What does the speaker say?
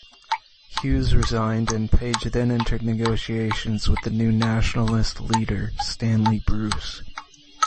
Hughes resigned, and Page then entered negotiations with the new Nationalist leader, Stanley Bruce.